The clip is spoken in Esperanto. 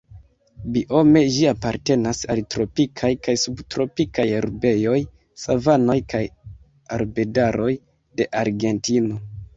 Biome ĝi apartenas al tropikaj kaj subtropikaj herbejoj, savanoj kaj arbedaroj de Argentino.